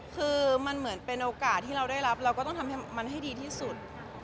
คือมันเหมือนเป็นโอกาสที่เราได้รับเราก็ต้องทำให้มันให้ดีที่สุด